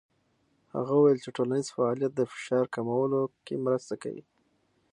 هغه وویل چې ټولنیز فعالیت د فشار کمولو کې مرسته کوي.